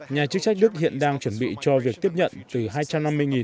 nhà chức trách đức hiện đang chuẩn bị cho việc tiếp nhận từ hai trăm năm mươi